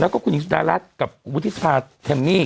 แล้วก็คุณจิตรรัฐก็วุฒิสภาฯแฮมมี่